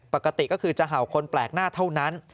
ปกติก็คือจะเห่าคนแปลกหน้าเท่านั้น